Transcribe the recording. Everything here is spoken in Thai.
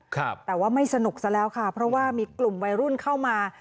ครับแต่ว่าไม่สนุกซะแล้วค่ะเพราะว่ามีกลุ่มวัยรุ่นเข้ามา